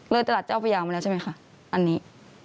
ตลาดเจ้าพระยามาแล้วใช่ไหมคะอันนี้